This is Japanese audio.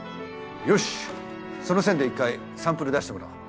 よしその線で一回サンプル出してもらおう。